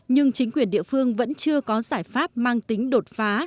nhưng chính quyền địa phương vẫn chưa có giải pháp mang tính đột phá